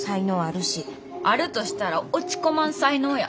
あるとしたら落ち込まん才能や。